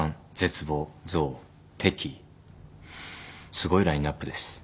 すごいラインアップです。